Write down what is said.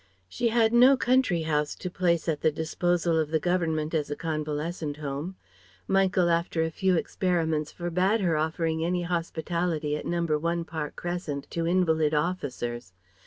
She had no country house to place at the disposal of the Government as a convalescent home. Michael after a few experiments forbade her offering any hospitality at No. 1 Park Crescent to invalid officers.